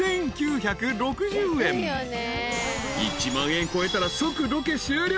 ［１万円超えたら即ロケ終了］